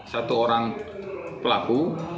satu orang pelaku